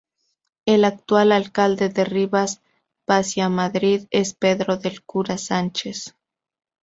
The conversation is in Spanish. El actual alcalde de Rivas-Vaciamadrid es Pedro del Cura Sánchez.